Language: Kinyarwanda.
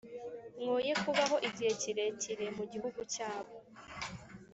mwoye kubaho igihe kirekire mu gihugu cyabo